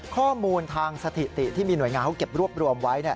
ข้อมูลทางสถิติที่มีหน่วยงานเขาเก็บรวบรวมไว้